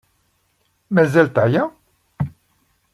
Mazal teɛya?